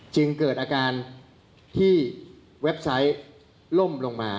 จึงเกิดอาการที่เว็บไซต์ล่มลงมา